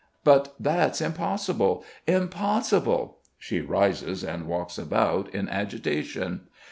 "But that's impossible ... impossible...." She rises and walks about in agitation.